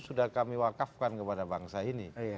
sudah kami wakafkan kepada bangsa ini